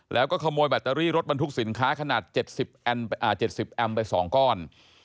แล้วก็ขโมยแบตเตอรี่รถบรรทุกสินค้าขนาดเจ็ดสิบอ่าเจ็ดสิบแอมป์ไปสองก้อน